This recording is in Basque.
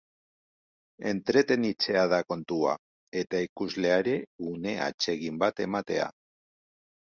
Entretenitzea da kontua, eta ikusleari une atsegin bat ematea.